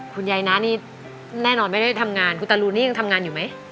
คุณยายนะนี่แน่นอนไม่ได้ทำงานคุณตารูนี่ยังทำงานอยู่ไหม